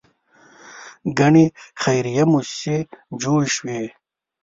ګڼې خیریه موسسې جوړې شوې.